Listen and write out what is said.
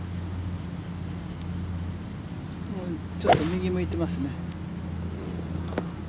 ちょっと右に向いていますね。